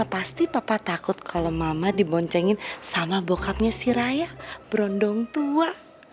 pasti papa takut kalau mama diboncengin sama bokapnya si raya berondong tua